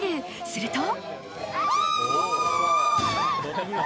すると。